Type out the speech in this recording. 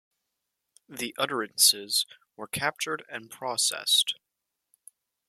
The utterances were captured and processed.